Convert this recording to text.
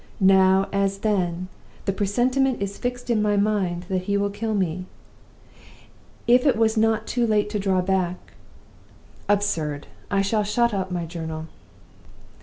Now, as then, the presentiment is fixed in my mind that he will kill me. If it was not too late to draw back Absurd! I shall shut up my journal."